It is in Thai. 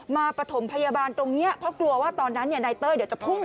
ปฐมพยาบาลตรงนี้เพราะกลัวว่าตอนนั้นนายเต้ยเดี๋ยวจะพุ่ง